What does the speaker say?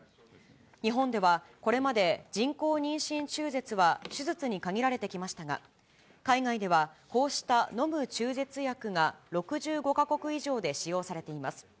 日本ではこれまで、人工妊娠中絶は手術に限られてきましたが、海外ではこうした飲む中絶薬が６５か国以上で使用されています。